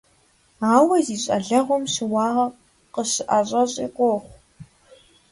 Ауэ зи щӀалэгъуэм щыуагъэ къыщыӀэщӀэщӀи къохъу.